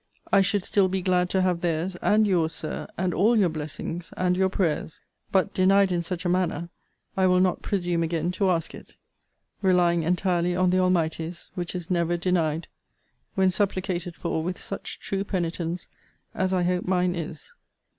I should still be glad to have theirs, and your's, Sir, and all your blessings, and your prayers: but, denied in such a manner, I will not presume again to ask it: relying entirely on the Almighty's; which is never denied, when supplicated for with such true penitence as I hope mine is.